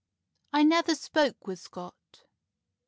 ] "I never spoke with Scott....